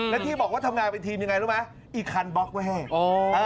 แล้วที่บอกว่าทำงานเป็นทลีมยังไงรู้ไหมอีกคันบ๊อคแพร่